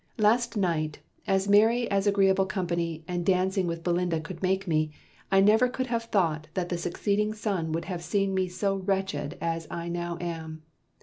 Last night, as merry as agreeable company and dancing with Belinda could make me, I never could have thought that the succeeding sun would have seen me so wretched as I now am!